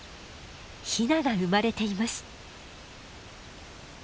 ヒナが生まれています。